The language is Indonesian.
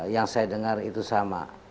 yang saya dengar itu sama